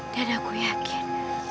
dan aku yakin